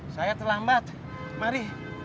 saya terlambat mari